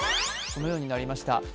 このようになりました。